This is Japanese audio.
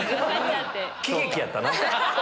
喜劇やったな。